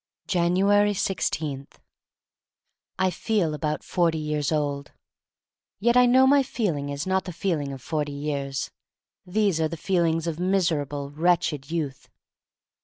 Januars 10^ I FEEL about forty years old. Yet I know my feeling is not the feeling of forty years. These are the feelings of miserable, wretched youth.